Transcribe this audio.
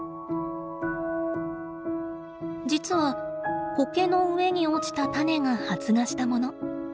実はコケの上に落ちた種が発芽したもの。